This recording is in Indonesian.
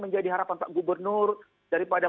menjadi harapan pak gubernur daripada